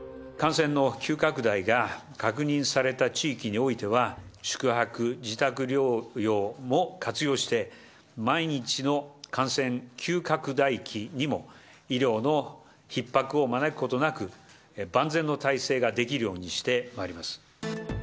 感染の急拡大が確認された地域においては、宿泊、自宅療養も活用して、万一の感染急拡大期にも、医療のひっ迫を招くことなく、万全の体制ができるようにしてまいります。